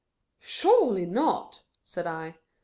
" Surely no !" said I.